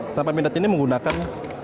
senapan pindad ini menggunakan